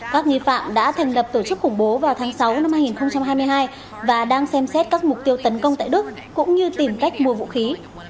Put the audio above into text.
các nghi phạm đã thành lập tổ chức khủng bố vào tháng sáu năm hai nghìn hai mươi hai và đang xem xét các mục tiêu tấn công tại đức cũng như tìm cách mua vũ khí